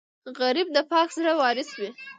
غریب د پاک زړه وارث وي